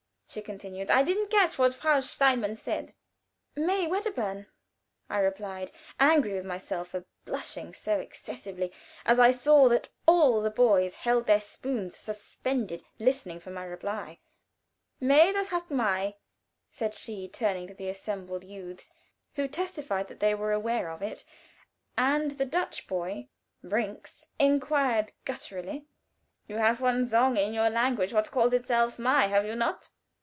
she continued; "I didn't catch what Frau Steinmann said." "May Wedderburn," I replied, angry with myself for blushing so excessively as I saw that all the boys held their spoons suspended, listening for my answer. "May das heisst Mai," said she, turning to the assembled youths, who testified that they were aware of it, and the Dutch boy, Brinks, inquired, gutturally: "You haf one zong in your language what calls itself, 'Not always Mai,' haf you not?"